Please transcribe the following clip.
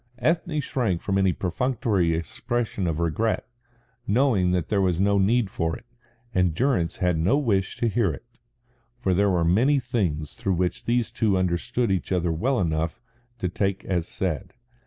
Ethne shrank from any perfunctory expression of regret, knowing that there was no need for it, and Durrance had no wish to hear it. For there were many things which these two understood each other well enough to take as said.